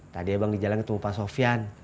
tadi abang di jalan ketemu pak sofian